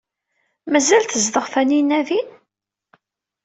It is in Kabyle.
Mazal tezdeɣ Taninna din?